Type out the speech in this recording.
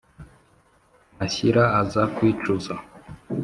mashira aza kwicuza